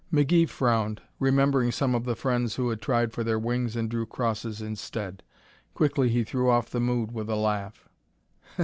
McGee frowned, remembering some of the friends who had tried for their wings and drew crosses instead. Quickly he threw off the mood with a laugh.